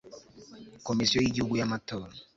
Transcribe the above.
komisiyo y'igihugu y'amatora